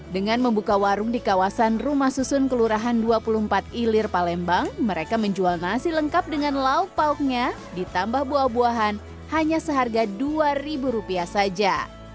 dengan membuka warung di kawasan rumah susun kelurahan dua puluh empat ilir palembang mereka menjual nasi lengkap dengan lauk pauknya ditambah buah buahan hanya seharga dua ribu rupiah saja